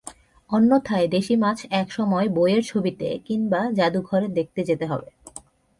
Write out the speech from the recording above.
অন্যথায় দেশি মাছ একসময় বইয়ের ছবিতে কিংবা জাদুঘরে দেখতে যেতে হবে।